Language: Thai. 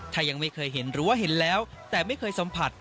ถ้ายังไม่เคยเห็นหรือว่าเห็นแล้วแต่ไม่เคยสัมผัส